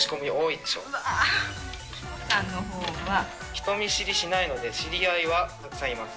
人見知りしないので、知り合いはたくさんいます。